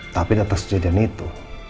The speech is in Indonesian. tapi atas kejadian itu